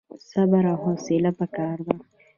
صبر او حوصله پکار ده